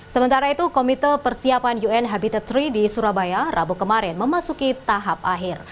sementara itu komite persiapan un habitat tiga di surabaya rabu kemarin memasuki tahap akhir